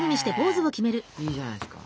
いいじゃないですか。